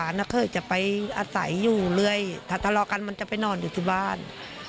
ข้ายูละเข้าจะไปใส่อยู่เลยถ้าทะเลาะกันมันจะไปนอนอยู่ที่บ้าน